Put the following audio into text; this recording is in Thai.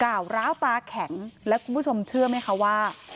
วร้าวตาแข็งแล้วคุณผู้ชมเชื่อไหมคะว่า